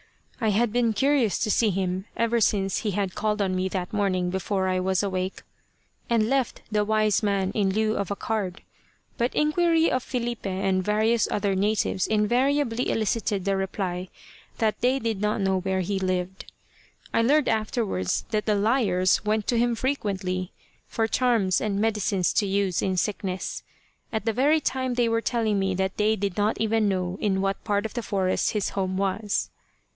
I had been curious to see him ever since he had called on me that morning before I was awake, and left the "wise man," in lieu of a card, but inquiry of Filipe and various other natives invariably elicited the reply that they did not know where he lived. I learned afterwards that the liars went to him frequently, for charms and medicines to use in sickness, at the very time they were telling me that they did not even know in what part of the forest his home was.